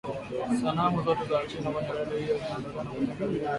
sanamu zote za wachina kwenye reli hiyo zitaondolewa na tujenge reli yetu